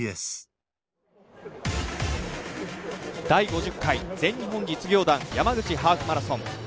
第５０回実業団山口ハーフマラソン。